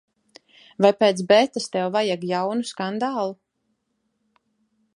Vai pēc Betas tev vajag jaunu skandālu?